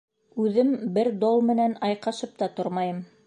Үҙем бер дол менән айҡашып та тормайым.